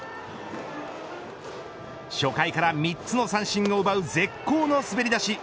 初回から３つの三振を奪う絶好の滑り出し。